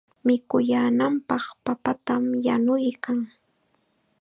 Mikuyaananpaq papatam yanuykan.